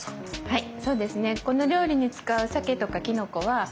はい。